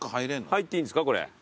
入っていいんですかこれ。